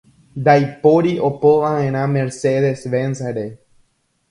Ndaipóri opova'erã Mercedes Benz-re.